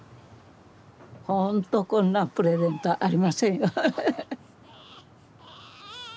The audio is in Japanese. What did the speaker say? ほんとこんなプレゼントありませんよ。